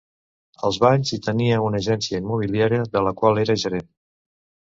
Als Banys hi tenia una agència immobiliària de la qual era gerent.